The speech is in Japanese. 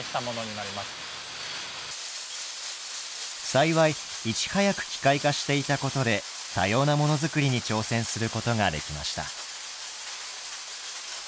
幸いいち早く機械化していたことで多様なモノ作りに挑戦することができました。